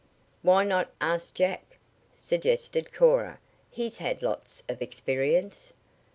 "Why not ask Jack?" suggested Cora. "He's had lots of experience."